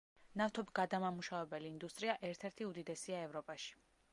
ნავთობგადამამუშავებელი ინდუსტრია ერთ-ერთი უდიდესია ევროპაში.